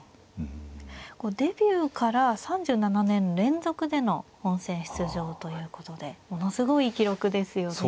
デビューから３７年連続での本戦出場ということでものすごい記録ですよね。